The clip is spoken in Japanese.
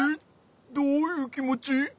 どういうきもち？